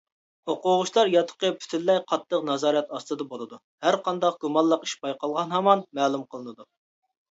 ئوقۇغۇچىلار ياتىقى پۈتۈنلەي قاتتىق نازارەت ئاستىدا بولىدۇ، ھەرقانداق گۇمانلىق ئىش بايقالغان ھامان مەلۇم قىلىنىدۇ.